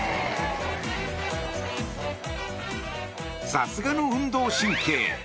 さすがの運動神経。